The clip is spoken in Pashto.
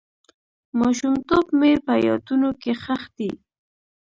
ماشومتوب مې په یادونو کې ښخ دی.